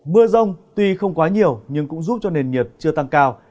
mưa rông tuy không quá nhiều nhưng cũng giúp cho nền nhiệt chưa tăng cao